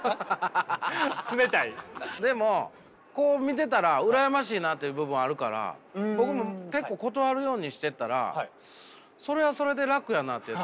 でもこう見てたら羨ましいなっていう部分もあるから僕も結構断るようにしてたらそれはそれで楽やなと思って。